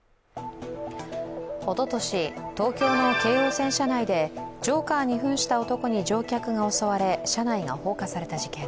おととし、東京の京王線車内でジョーカーに扮した男に乗客が襲われ、車内が放火された事件。